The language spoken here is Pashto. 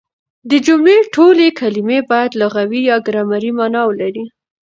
د جملې ټولي کلیمې باید لغوي يا ګرامري مانا ولري.